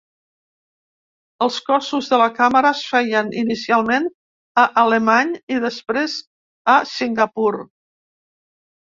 Els cossos de la càmera es feien inicialment a Alemany i després, a Singapur.